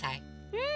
うん！